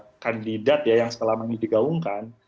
para kandidat yang selama ini digaungkan